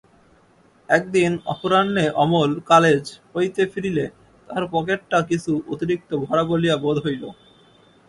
একদিন অপরাহ্নে অমল কালেজ হইতে ফিরিলে তাহার পকেটটা কিছু অতিরিক্ত ভরা বলিয়া বোধ হইল।